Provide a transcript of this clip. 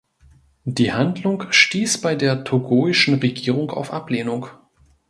Die Handlung stieß bei der togoischen Regierung auf Ablehnung.